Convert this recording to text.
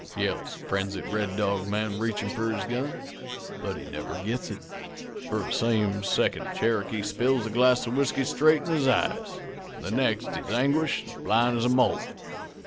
yells the frenzied Red Dog man, reachin' for his gun. "But he never gets it, for the same second Cherokee spills the glass of whiskey straight in his eyes, an' the next he's anguished an' blind as a mole.